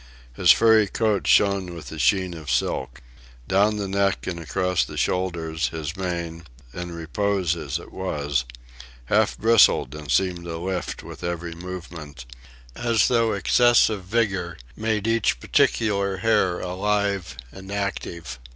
His furry coat shone with the sheen of silk. Down the neck and across the shoulders, his mane, in repose as it was, half bristled and seemed to lift with every movement, as though excess of vigor made each particular hair alive and active.